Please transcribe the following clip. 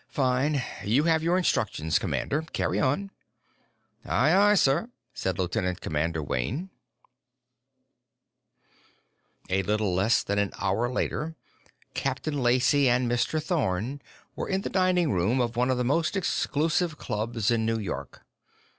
"Fine. You have your instructions, commander. Carry on." "Aye, aye, sir," said Lieutenant Commander Wayne. A little less than an hour later, Captain Lacey and Mr. Thorn were in the dining room of one of the most exclusive clubs in New York.